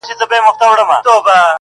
راسه يوار راسه صرف يوه دانه خولگۍ راكړه.